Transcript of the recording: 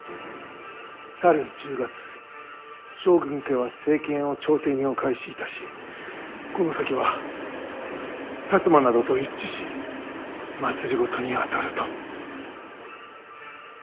「去る１０月将軍家は政権を朝廷にお返しいたしこの先は摩などと一致し政にあたる」と。